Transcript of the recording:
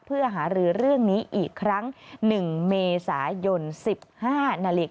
เพื่อหารือเรื่องนี้อีกครั้ง๑เมษายน๑๕นาฬิกา